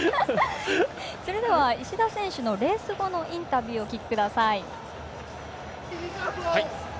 それでは石田選手のレース後のインタビューをお聞きください。